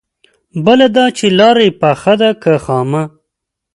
بله دا چې لاره يې پخه ده که خامه؟